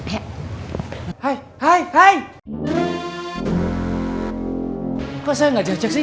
hai kau saya nggak jajak sih hai kau saya nggak jajak sih